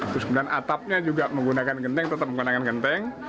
terus kemudian atapnya juga menggunakan genteng tetap menggunakan genteng